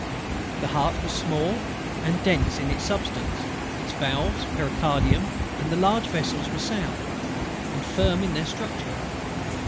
The heart was small, and dense in its substance; its valves, pericardium, and the large vessels, were sound, and firm in their structure.